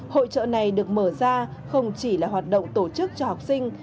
hội trợ này được mở ra không chỉ là hoạt động tổ chức cho học sinh